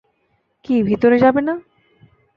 কি, ভিতরে যাবে না?